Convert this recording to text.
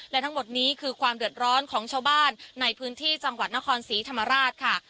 และทั้งหมดนี้คือความเดือดร้อนของชาวบ้านในพื้นที่จังหวัดนครศรีธรรมราชค่ะ